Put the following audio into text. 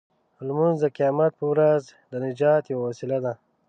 لمونځ د قیامت په ورځ د نجات یوه وسیله ده.